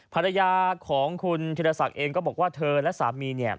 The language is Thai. ภรรยาของคุณธิรศักดิ์เองก็บอกว่าเธอและสามีเนี่ย